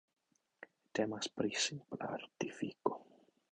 Temas pri simpla artifiko...